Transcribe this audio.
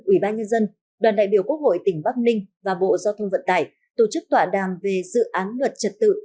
ủy ban nhân dân đoàn đại biểu quốc hội tỉnh bắc ninh và bộ giao thông vận tải tổ chức tọa đàm về dự án luật trật tự